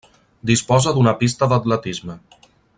Disposa d'una pista d'atletisme.